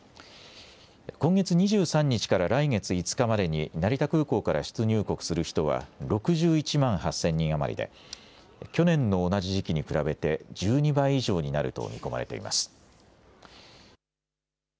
今月２３日から来月５日までに成田空港から出入国する人は６１万８０００人余りで、去年の同じ時期に比べて１２倍以上になると見込まれています。